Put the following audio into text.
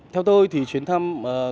theo tôi thì chuyến thăm